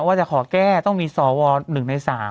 ว่าจะขอแก้ต้องมีสว๑ใน๓